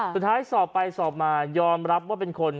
สุดท้ายสอบไปสอบมายอมรับว่าเป็นคน